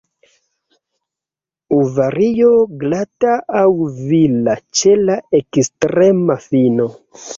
Ovario glata aŭ vila ĉe la ekstrema fino.